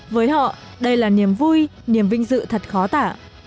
với họ đây là niềm vui niềm vinh dự thật khó tả